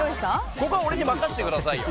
ここは俺に任せてくださいよ。